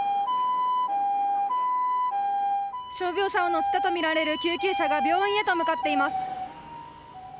傷病者を乗せたとみられる救急車が病院へと向かっています。